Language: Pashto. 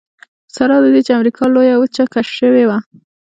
سره له دې چې امریکا لویه وچه کشف شوې وه.